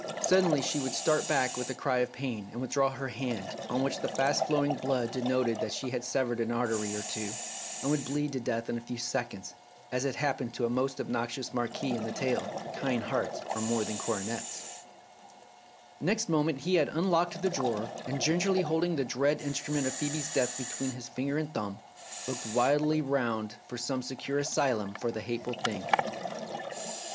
Suddenly she would start back with a cry of pain, and withdraw her hand, on which the fast flowing blood denoted that she had severed an artery or two, and would bleed to death in a few reconds, as had happened to a most obnoxious Marquis in the tale, " Kind hearts are more than coronets." 295 Philip's Safety Razor Next moment he had unlocked the drawer, and gingerly holding the dread instrument of Phcebe's death between finger and thumb, looked wildly round for some secure asylum for the hateful thing.